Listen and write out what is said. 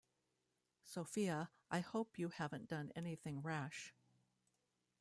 Sophia, I hope you haven't done anything rash?